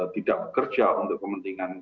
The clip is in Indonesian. tidak bekerja untuk kepentingan